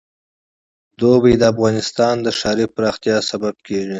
اوړي د افغانستان د ښاري پراختیا سبب کېږي.